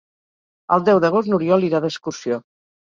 El deu d'agost n'Oriol irà d'excursió.